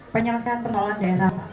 penyelesaian persoalan daerah